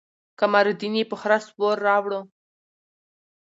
قمرالدين يې په خره سور راوړو.